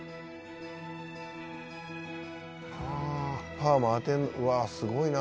「パーマ当てうわあすごいな」